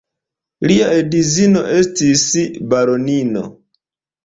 Lia edzino estis baronino.